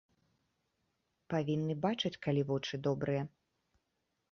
Павінны бачыць, калі вочы добрыя.